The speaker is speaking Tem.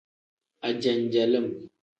Ajenjelim.